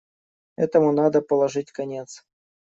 Этому надо положить конец.